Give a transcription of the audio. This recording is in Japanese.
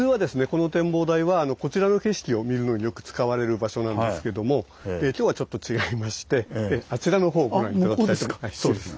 この展望台はこちらの景色を見るのによく使われる場所なんですけども今日はちょっと違いましてあちらのほうをご覧頂きたいと思います。